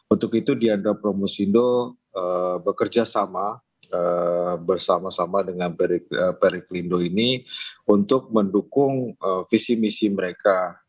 untuk itu diendra ponggosindo bekerjasama bersama sama dengan periklindo ini untuk mendukung visi misi mereka